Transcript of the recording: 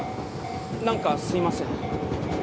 何かすいません。